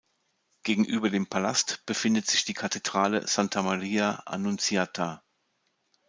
Gegenüber dem Palast befindet sich die Kathedrale "Santa Maria Annunziata".